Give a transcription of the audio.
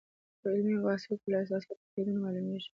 په علمي مباحثو کې له احساساتي قیدونو معلومېږي.